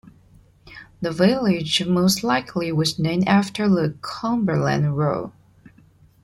The village most likely was named after the Cumberland Road.